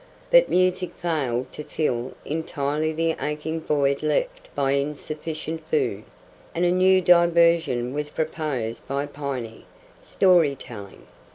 But music failed to fill entirely the aching void left by insufficient food, and a new diversion was proposed by Piney storytelling.